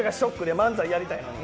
漫才やりたいのに。